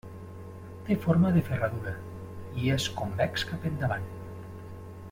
Té forma de ferradura, i és convex cap endavant.